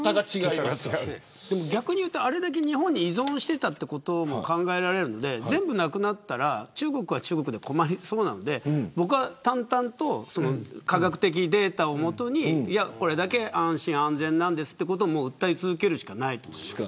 逆に言うと、あれだけ日本に依存していたということも考えられるんで全部なくなったら中国は中国で困りそうなんで僕は淡々と科学的データを基に安心安全だということを訴え続けるしかないと思います。